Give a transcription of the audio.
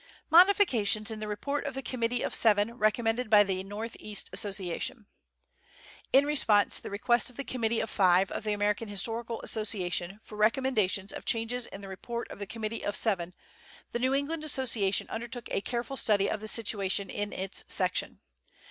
MODIFICATIONS IN THE REPORT OF THE COMMITTEE OF SEVEN RECOMMENDED BY THE N. E. ASSOCIATION. In response to the request of the Committee of Five of the American Historical Association for recommendations of changes in the report of the Committee of Seven, the New England Association undertook a careful study of the situation in its section.